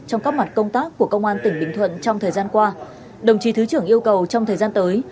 trong các mặt công tác của công an tỉnh bình thuận trong thời gian qua đồng chí thứ trưởng yêu cầu trong thời gian tới